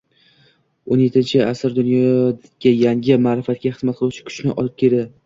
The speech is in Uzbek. O'n yettinchi asr dunyoga yangi ma’rifatga xizmat qiluvchi kuchni olib keldi